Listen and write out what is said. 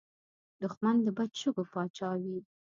دښمن د بد شګو پاچا وي